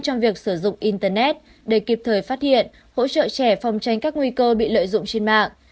trong việc sử dụng internet để kịp thời phát hiện hỗ trợ trẻ phòng tránh các nguy cơ bị lợi dụng trên mạng